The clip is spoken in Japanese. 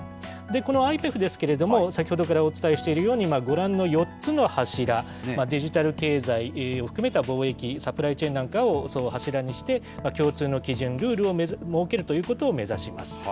このＩＰＥＦですけれども、先ほどからお伝えしているように、ご覧の４つの柱、デジタル経済を含めた貿易、サプライチェーンなんかを柱にして、共通の基準、ルールを設けるということを目指します。